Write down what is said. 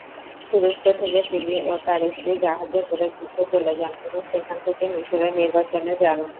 তুরস্ক থেকে তিনি ও তার স্ত্রী জাহাজে করে গ্রীসে চলে যান এবং সেখান থেকে মিশরে নির্বাচনে যান।